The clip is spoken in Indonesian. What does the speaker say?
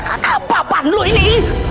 kakak papan lu ini